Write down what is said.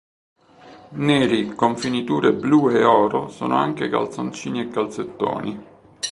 Neri con finiture blu e oro sono anche calzoncini e calzettoni.